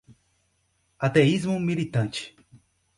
ateísmo militante